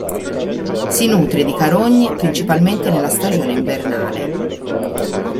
Si nutre di carogne principalmente nella stagione invernale.